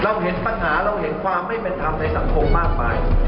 เห็นปัญหาเราเห็นความไม่เป็นธรรมในสังคมมากมาย